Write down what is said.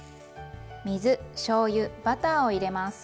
水しょうゆバターを入れます。